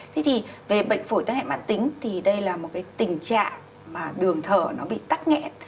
thế thì về bệnh phổi tác hệ mạng tính thì đây là một cái tình trạng mà đường thở nó bị tắt nghẹn